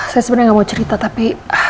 saya sebenarnya gak mau cerita tapi